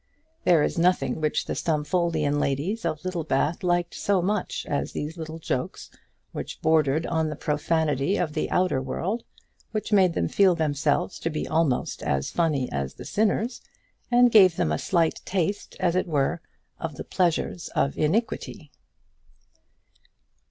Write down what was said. There is nothing which the Stumfoldian ladies of Littlebath liked so much as these little jokes which bordered on the profanity of the outer world, which made them feel themselves to be almost as funny as the sinners, and gave them a slight taste, as it were, of the pleasures of iniquity.